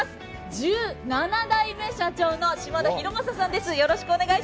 １７代目社長の島田泰昌さんです。